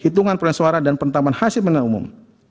hitungan perolahan suara dan penetapan hasil pengendalian umum